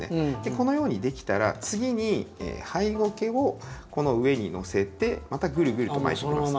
このように出来たら次にハイゴケをこの上にのせてまたぐるぐると巻いていきます。